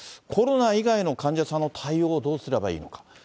コロナ以外の患者さんの対応をどうすればいいのか。